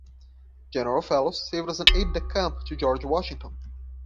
General Fellows served as an "aide-de-camp" to George Washington.